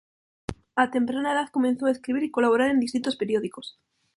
A temprana edad comenzó a escribir y colaborar en distintos periódicos.